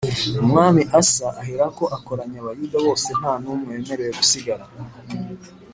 Umwami Asa aherako akoranya Abayuda bose nta n’umwe wemerewe gusigara